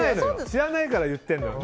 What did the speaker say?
知らないから言ってるのよ。